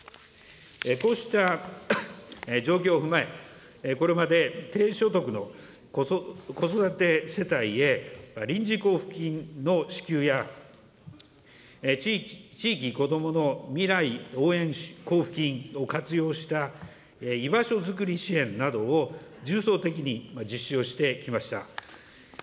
こうした状況を踏まえ、これまで低所得の子育て世帯へ、臨時交付金の支給や、地域こどもの未来応援交付金を活用した居場所づくり支援などを重層的に実施をしてきました。